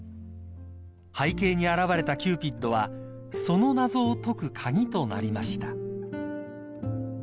［背景に現れたキューピッドはその謎を解く鍵となりました］